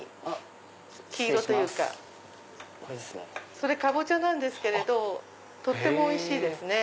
それカボチャなんですけれどとってもおいしいですね。